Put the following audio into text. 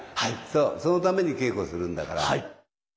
そのために稽古するんだから。